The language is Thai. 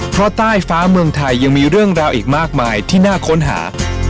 เพราะใต้ฟ้าเมืองไทยยังมีเรื่องราวอีกมากมายที่น่าค้นหา